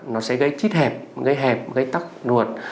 nó sẽ gây chít hẹp gây hẹp gây tắc nuột